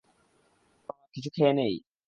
কিছু খেয়ে নেই।